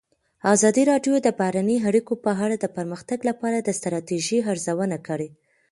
ازادي راډیو د بهرنۍ اړیکې په اړه د پرمختګ لپاره د ستراتیژۍ ارزونه کړې.